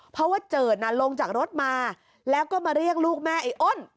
เพราะว่าเจิดน่ะลงจากรถมาแล้วก็มาเรียกลูกแม่ไอ้อ้น